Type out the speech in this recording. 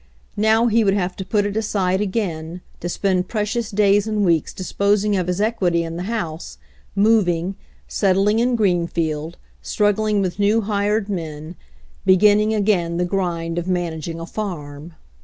Now he would have to put it aside again, to spend precious days and weeks disposing of his equity in the house, moving, settling in Greenfield, strug gling with new hired men, beginning again the grind of managing a farm.